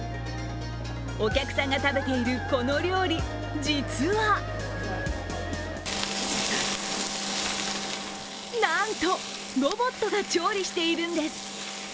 お客さんが食べているこの料理、実はなんと、ロボットが調理しているんです。